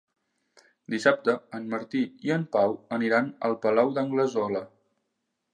Dissabte en Martí i en Pau aniran al Palau d'Anglesola.